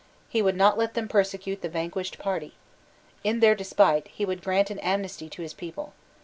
He would not let them persecute the vanquished party. In their despite, he would grant an amnesty to his people.